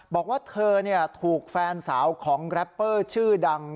บอกว่าเธอถูกแฟนสาวของแรปเปอร์ชื่อดัง